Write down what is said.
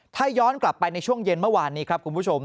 ถ้าย้อนกลับไปในช่วงเย็นเมื่อวานนี้ครับคุณผู้ชม